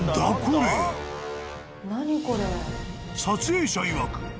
［撮影者いわく